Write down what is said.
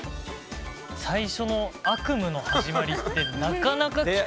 最初の「悪夢の始まり」ってなかなか聞かない。